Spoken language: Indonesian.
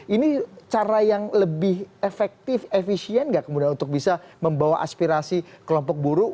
ini cara yang lebih efektif efisien nggak kemudian untuk bisa membawa aspirasi kelompok buruh